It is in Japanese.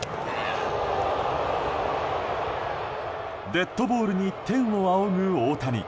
デッドボールに天を仰ぐ大谷。